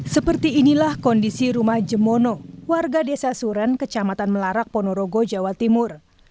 seperti inilah kondisi rumah jemono warga desa suren kecamatan melarak ponorogo jawa timur